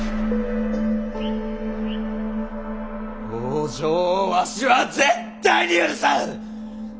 北条をわしは絶対に許さん！